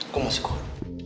gue masih keluar